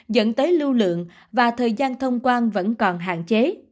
dẫn tới lưu lượng và thời gian thông quan vẫn còn hạn chế